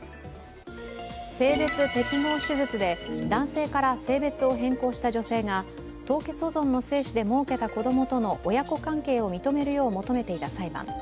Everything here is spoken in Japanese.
性別適合手術で男性から性別を変更した女性が凍結保存の精子でもうけた子供との親子関係を認めるよう求めていた裁判。